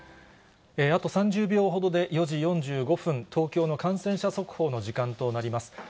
あと３０秒ほどで４時４５分、東京の感染者速報の時間となります。